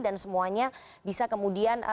dan semuanya bisa kemudian